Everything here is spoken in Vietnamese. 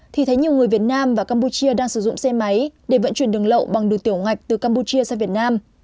thì thấy nhiều người việt nam và campuchia đang sử dụng xe máy để vận chuyển đường lậu bằng đường tiểu ngạch từ campuchia sang việt nam